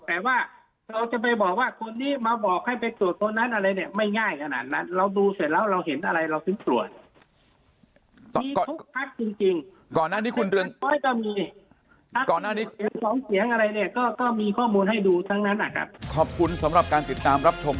แต่ว่าจะไปบอกว่าคนนี้มาบอกให้ไปตรวจเมื่อกี้ไม่ง่ายขนาดนั้น